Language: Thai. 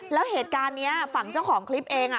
แล้วเหตุการณ์นี้ฝั่งเจ้าของคลิปเอง